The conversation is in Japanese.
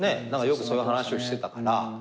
よくそういう話をしてたから。